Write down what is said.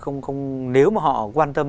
nếu mà họ quan tâm